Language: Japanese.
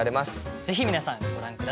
ぜひ皆さんご覧下さい！